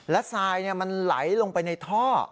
และทรายมันไหลลงไปในท่อ